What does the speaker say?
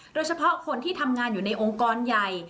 โดยเฉพาะคนที่ทำงานอยู่ในองค์กรใหญ่